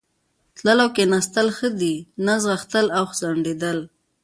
تلل او کښېنستل ښه دي، نه ځغستل او ځنډېدل.